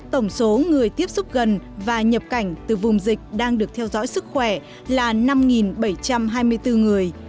tổng số người tiếp xúc gần và nhập cảnh từ vùng dịch đang được theo dõi sức khỏe là năm bảy trăm hai mươi bốn người